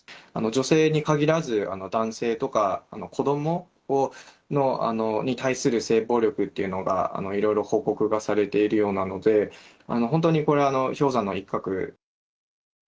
女性に限らず、男性とか子どもに対する性暴力っていうのが、いろいろ報告がされているようなので、本当にこれ、氷山の一角。